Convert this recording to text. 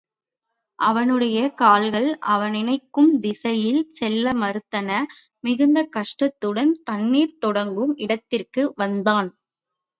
அவனுடைய கால்கள் அவன் நினைக்கும் திசையில் செல்ல மறுத்தன மிகுந்த கஷ்டத்துடன், தண்ணீர் தொடங்கும் இடத்திற்கு வந்தான்.